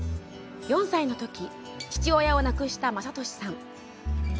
４歳のとき父親を亡くした雅俊さん。